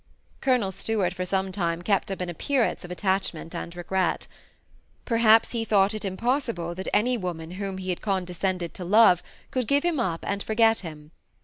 Colonel Stuart for some time kept up an appearance of attachment and regret Perhaps he thought it impos sible that any woman whom he had condescended to love could give him up and forget him.